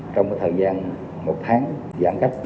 trong cái thời gian một tháng giãn cách